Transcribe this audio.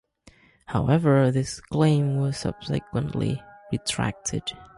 However, this claim was subsequently retracted.